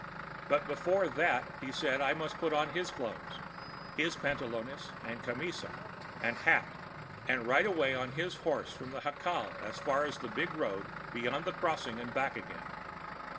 But before that he says that I must put on his clothes, his pantalones and camisa and hat, and ride away on his horse from the jacal as far as the big road beyond the crossing and back again.